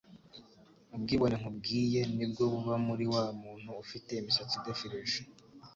ubwibone nkubwiye nibwo buba muri wa muntu ufite imisatsi idefirije,